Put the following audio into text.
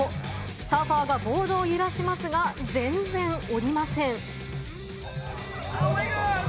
サーファーがボードを揺らしますが全然おりません。